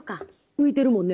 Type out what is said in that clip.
浮いてるもんね